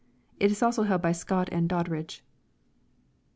It is also held by Scott and Doddndfire.